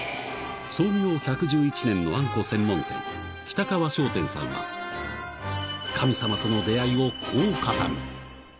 創業１１１年のあんこ専門店、きたかわ商店さんは、神様との出会いをこう語る。